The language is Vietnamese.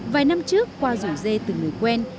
vài năm trước qua rủ dê từ người quen